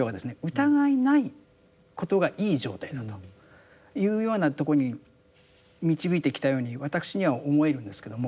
疑いないことがいい状態だというようなとこに導いてきたように私には思えるんですけども。